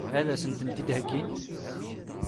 Ad as-tent-id-heggint?